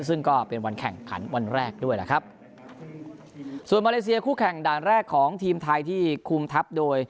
ซึ่งก็เป็นวันแข่งขันวันแรกด้วยล่ะครับส่วนมาเลเซียคู่แข่งด่านแรกของทีมไทยที่คุมทัพโดย